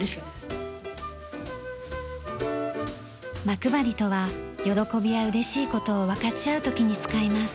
間配りとは喜びや嬉しい事を分かち合う時に使います。